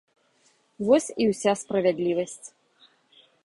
Вось і ўся справядлівасць.